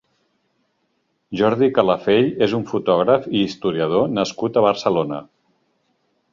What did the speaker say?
Jordi Calafell és un fotògraf i historiador nascut a Barcelona.